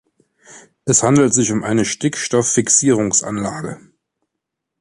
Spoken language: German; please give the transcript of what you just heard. Es handelt sich um eine Stickstoff-Fixierungsanlage.